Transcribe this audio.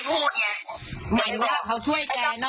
ก็ไม่รู้ว่าฟ้าจะระแวงพอพานหรือเปล่า